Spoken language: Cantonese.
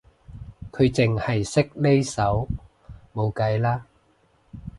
佢淨係識呢首冇計啦